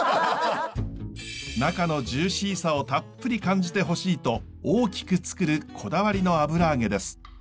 中のジューシーさをたっぷり感じてほしいと大きく作るこだわりの油揚げです。